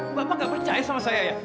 bapak bapak nggak percaya sama saya ya